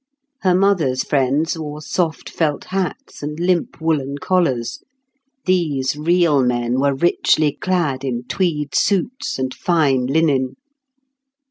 Her mother's friends wore soft felt hats and limp woollen collars; these real men were richly clad in tweed suits and fine linen.